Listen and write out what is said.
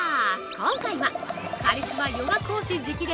今回は、カリスマヨガ講師直伝！